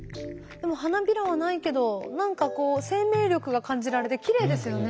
でも花びらはないけど何かこう生命力が感じられてきれいですよね。